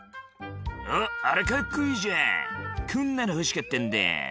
「あっあれカッコいいじゃんこんなの欲しかったんだよ」